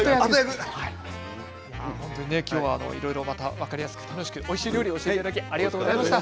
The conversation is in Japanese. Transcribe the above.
分かりやすく楽しくおいしいお料理を教えていただきありがとうございました。